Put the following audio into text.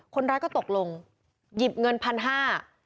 คนรักก็ตกลงหยิบเงิน๑๕๐๐บาท